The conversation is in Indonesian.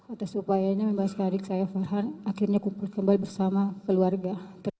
atas upayanya membebaskan adik saya farhan akhirnya kumpul kembali bersama keluarga